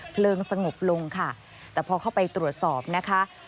เพลิงสงบลงค่ะแต่พอเข้าไปตรวจสอบนะคะ